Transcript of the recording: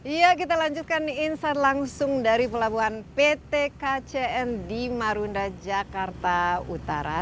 iya kita lanjutkan insight langsung dari pelabuhan pt kcn di marunda jakarta utara